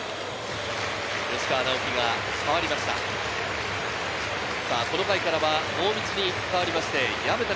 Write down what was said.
吉川尚輝がかわりました。